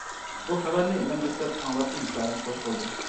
بۇ خەۋەرنى مەن دەسلەپ ئاڭلاپ ئىنتايىن خوش بولدۇم.